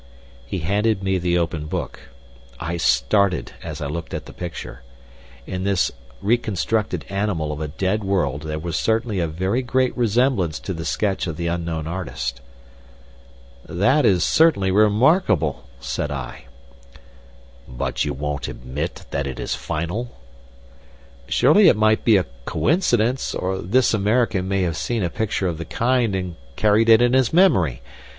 He handed me the open book. I started as I looked at the picture. In this reconstructed animal of a dead world there was certainly a very great resemblance to the sketch of the unknown artist. "That is certainly remarkable," said I. "But you won't admit that it is final?" "Surely it might be a coincidence, or this American may have seen a picture of the kind and carried it in his memory.